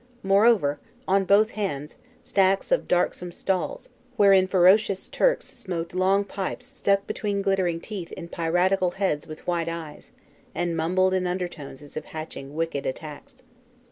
Moreover, on both hands, stacks of darksome stalls, wherein ferocious "Turks" smoked long pipes stuck between glittering teeth in piratical heads with white eyes, and mumbled in undertones as if hatching wicked attacks.